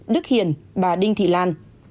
đức hiền bà đinh thị lan